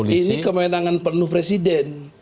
ini kewenangan penuh presiden